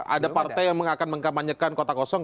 ada partai yang akan mengkampanyekan kota kosong